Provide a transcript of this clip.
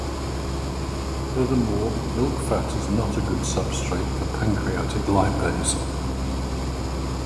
Furthermore, milk fat is not a good substrate for pancreatic lipase.